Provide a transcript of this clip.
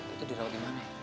itu dirawat di mana